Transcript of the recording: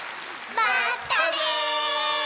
まったね！